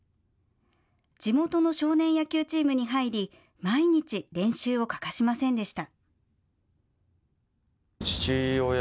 地元の少年野球チームに入り毎日、練習を欠かしませんでした。